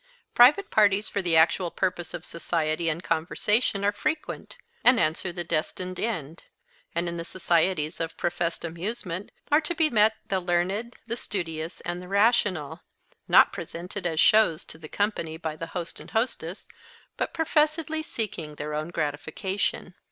Private parties for the actual purpose of society and conversation are frequent, and answer the destined end; and in the societies of professed amusement are to be met the learned, the studious, and the rational; not presented as shows to the company by the host and hostess, but professedly seeking their own gratification.